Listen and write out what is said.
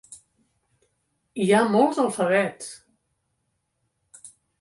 Hi ha molts alfabets!